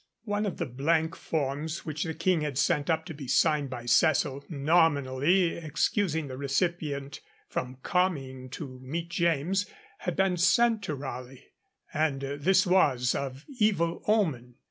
One of the blank forms which the King had sent up to be signed by Cecil, nominally excusing the recipient from coming to meet James, had been sent to Raleigh, and this was of evil omen.